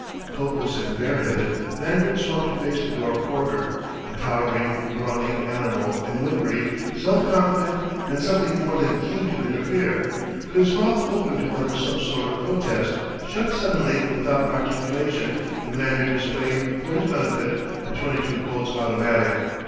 Coatless and bareheaded, Lanyard swung to face the door porter, a towering, brawny animal in livery, self confident and something more than keen to interfere; but his mouth, opening to utter some sort of protest, shut suddenly without articulation when Lanyard displayed for his benefit a .22 Colt's automatic.